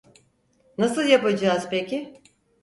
Nasıl yapacağız peki?